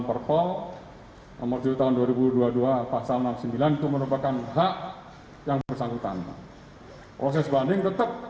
perpol nomor tujuh tahun dua ribu dua puluh dua pasal enam puluh sembilan itu merupakan hak yang bersangkutan proses banding tetap